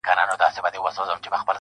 دا ستا د سترگو په كتاب كي گراني .